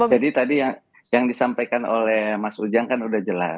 jadi tadi yang disampaikan oleh mas ujang kan sudah jelas